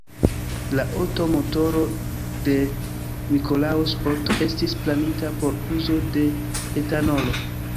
La Otto-motoro de Nikolaus Otto estis planita por uzo de etanolo.